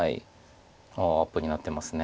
ああアップになってますね。